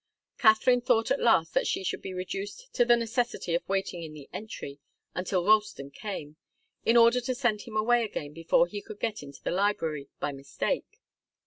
Katharine thought at last that she should be reduced to the necessity of waiting in the entry until Ralston came, in order to send him away again before he could get into the library by mistake.